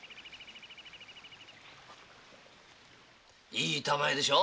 いい板前でしょ。